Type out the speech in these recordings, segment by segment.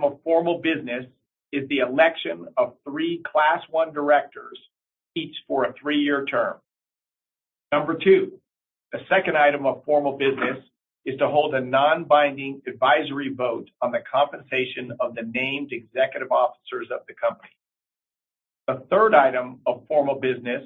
Of formal business is the election of three Class I directors, each for a three-year term. Number two, the second item of formal business is to hold a non-binding advisory vote on the compensation of the named executive officers of the company. The third item of formal business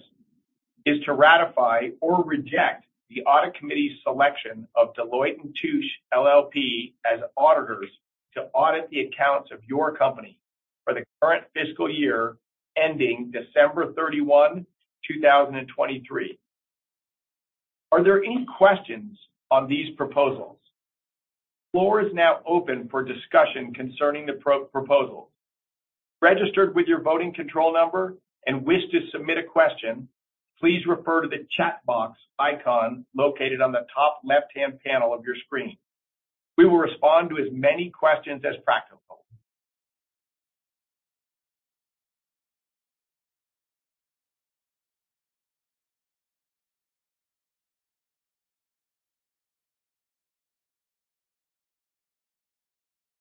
is to ratify or reject the audit committee's selection of Deloitte & Touche LLP as auditors to audit the accounts of your company for the current fiscal year ending December 31, 2023. Are there any questions on these proposals? Floor is now open for discussion concerning the proposal. Registered with your voting control number and wish to submit a question, please refer to the chat box icon located on the top left-hand panel of your screen. We will respond to as many questions as practical.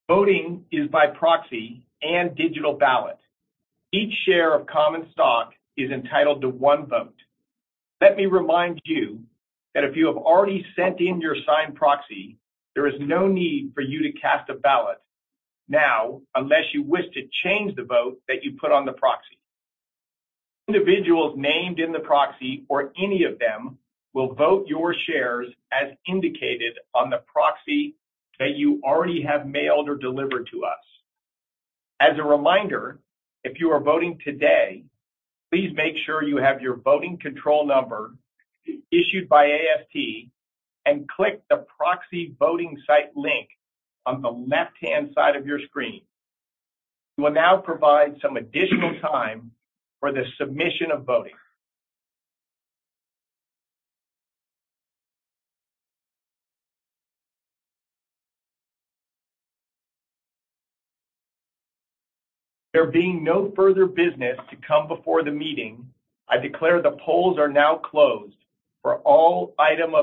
Voting is by proxy and digital ballot. Each share of common stock is entitled to one vote. Let me remind you that if you have already sent in your signed proxy, there is no need for you to cast a ballot now unless you wish to change the vote that you put on the proxy. Individuals named in the proxy or any of them will vote your shares as indicated on the proxy that you already have mailed or delivered to us. As a reminder, if you are voting today, please make sure you have your voting control number issued by AST and click the proxy voting site link on the left-hand side of your screen. We will now provide some additional time for the submission of voting. There being no further business to come before the meeting, I declare the polls are now closed for all item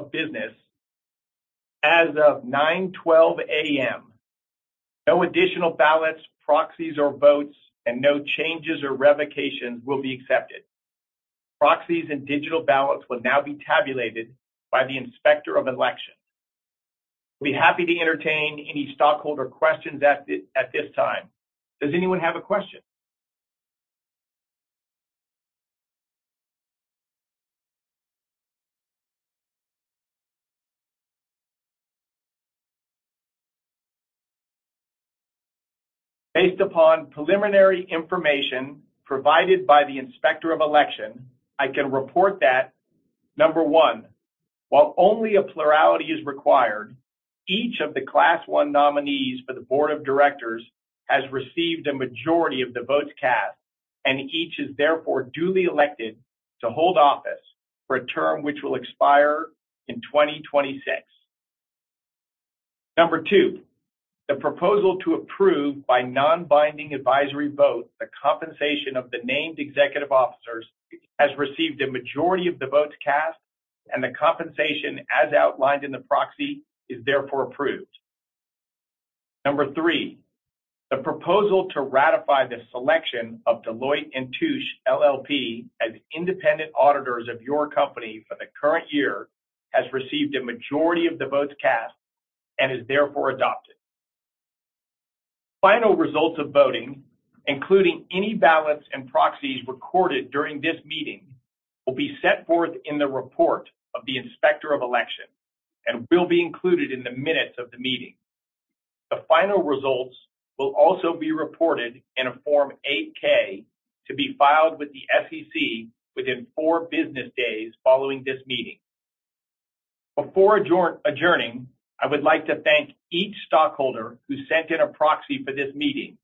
of business as of 9:12 A.M. No additional ballots, proxies, or votes, no changes or revocations will be accepted. Proxies and digital ballots will now be tabulated by the Inspector of Election. I'll be happy to entertain any stockholder questions at this time. Does anyone have a question? Based upon preliminary information provided by the Inspector of Election, I can report that number one, while only a plurality is required, each of the Class I nominees for the Board of Directors has received a majority of the votes cast, and each is therefore duly elected to hold office for a term which will expire in 2026. Number two, the proposal to approve by non-binding advisory vote the compensation of the named executive officers has received a majority of the votes cast, and the compensation as outlined in the proxy, is therefore approved. Number three, the proposal to ratify the selection of Deloitte & Touche LLP as independent auditors of your company for the current year has received a majority of the votes cast and is therefore adopted. Final results of voting, including any ballots and proxies recorded during this meeting, will be set forth in the report of the Inspector of Election and will be included in the minutes of the meeting. The final results will also be reported in a Form 8-K to be filed with the SEC within four business days following this meeting. Before adjourning, I would like to thank each stockholder who sent in a proxy for this meeting.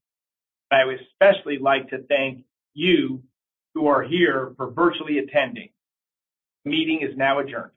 I would especially like to thank you who are here for virtually attending. The meeting is now adjourned.